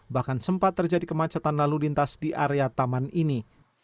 bahkan sempat terjadi kemacetan lalu lintas di area taman ini